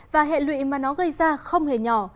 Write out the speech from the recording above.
và hệ lụy mà nó gây ra không hề nhỏ